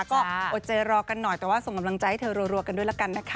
ก็อดใจรอกันหน่อยแต่ว่าส่งกำลังใจให้เธอรัวกันด้วยละกันนะคะ